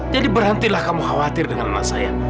jadi berhentilah kamu khawatir dengan anak saya